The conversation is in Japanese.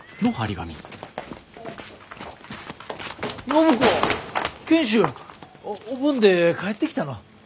暢子賢秀！お盆で帰ってきたの？